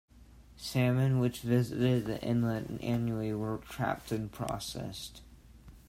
Salmon which visited the inlet annually were trapped and processed.